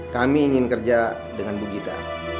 kami ingin kerja dengan bu gita